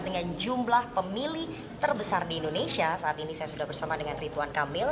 dengan jumlah pemilih terbesar di indonesia saat ini saya sudah bersama dengan rituan kamil